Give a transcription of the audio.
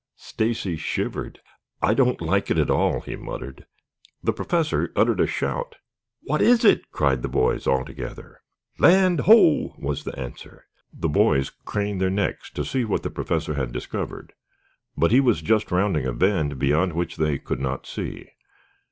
Stacy shivered. "I don't like it at all," he muttered. The Professor uttered a shout. "What is it?" cried the boys all together. "Land ho!" was the answer. The boys craned their necks to see what the Professor had discovered, but he was just rounding a bend beyond which they could not see.